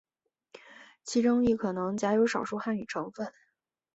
其中亦可能夹有少数汉语成分。